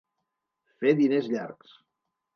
Fer diners llargs.